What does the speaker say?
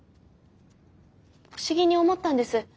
不思議に思ったんです。